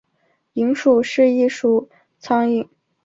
蝇属是一属苍蝇。